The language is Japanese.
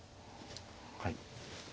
はい。